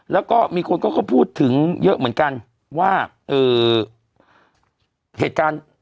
แล้วก็มีคนก็พูดถึงเยอะเหมือนกันว่าเหตุการณ์